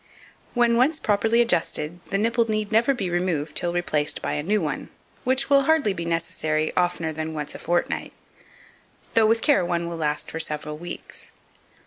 When once properly adjusted, the nipple need never be removed till replaced by a new one, which will hardly be necessary oftener than once a fortnight, though with care one will last for several weeks.